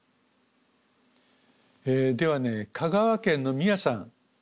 ではね香川県のみやさん。